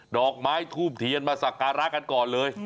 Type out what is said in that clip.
ดอกไม้ทูบเทียนมาสักการะกันก่อนเลย